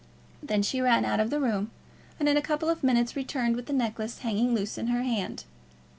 Then she ran out of the room, and in a couple of minutes returned with the necklace hanging loose in her hand.